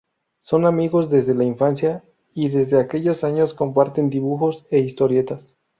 Son amigos desde la infancia y desde aquellos años comparten dibujos e historias.